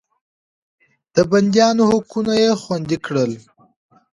د بنديانو حقونه يې خوندي کړل.